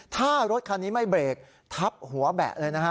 ถ้ารถคันนี้ไม่เบรกทับหัวแบะเลยนะฮะ